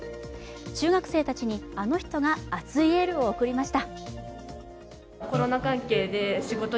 中学生たちに、あの人が熱いエールを送りました。